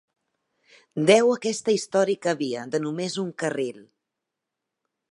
Deu aquesta històrica via, de només un carril.